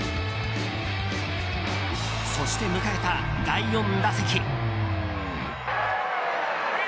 そして迎えた第４打席。